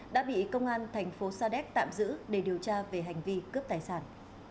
đã bị công an thành phố sa đéc tạm giữ để điều tra về hành vi cướp tài sản